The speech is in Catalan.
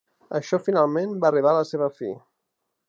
Això finalment va arribar a la seva fi.